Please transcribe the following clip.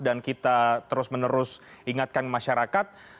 dan kita terus menerus ingatkan masyarakat